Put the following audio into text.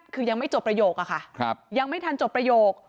คือยังไม่จบประโยคอะค่ะยังไม่ทันจบประโยค